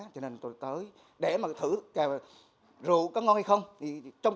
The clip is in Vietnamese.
cho nên tôi tới để mà thử rượu có ngon hay không